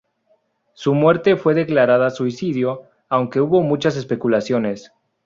Su muerte fue declarada suicidio, aunque hubo muchas especulaciones.